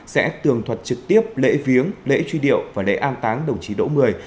sẽ tường thuật trực tiếp lễ viếng lễ truy điệu và lễ an táng đồng chí đỗ mười